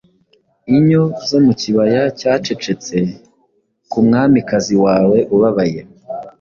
inyo zo mu kibaya cyacecetse, ku mwamikazi wawe ubabaye. '